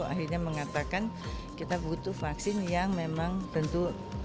akhirnya mengatakan kita butuh vaksin yang memang tentu